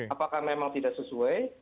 apakah memang tidak sesuai